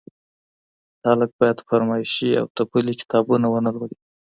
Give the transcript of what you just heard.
خلګ بايد فرمايشي او تپلي کتابونه ونه لولي.